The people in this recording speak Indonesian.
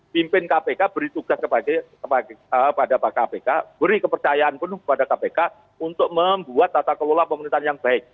pimpin kpk beri tugas kepada pak kpk beri kepercayaan penuh kepada kpk untuk membuat tata kelola pemerintahan yang baik